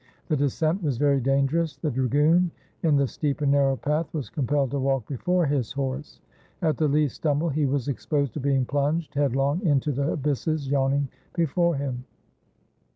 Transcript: The descent was very dangerous. The dragoon, in the steep and narrow path, was compelled to walk before his horse. At the least stumble he was exposed to being plunged headlong into the abysses yawning before him.